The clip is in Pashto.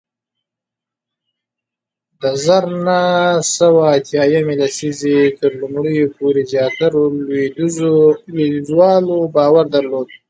د زر نه سوه اتیا یمې لسیزې تر لومړیو پورې زیاترو لوېدیځوالو باور درلود